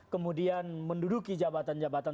kemudian menduduki jabatan jabatan